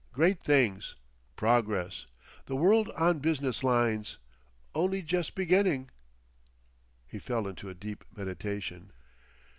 Great things. Progress. The world on business lines. Only jes' beginning."... He fell into a deep meditation.